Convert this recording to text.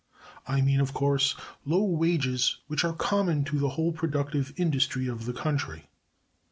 I mean, of course, low wages which are common to the whole productive industry of the country.